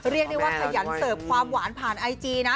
เรียกได้ว่าขยันเสิร์ฟความหวานผ่านไอจีนะ